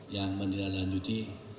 yang menilai lanjuti